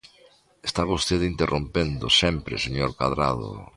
Está vostede interrompendo sempre, señor Cadrado.